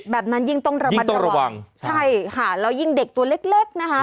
แบบนั้นยิ่งต้องระวังใช่ค่ะแล้วยิ่งเด็กตัวเล็กนะฮะ